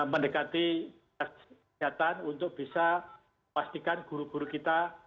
mendekati kesehatan untuk bisa pastikan guru guru kita